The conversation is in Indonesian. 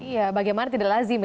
iya bagaimana tidak lazim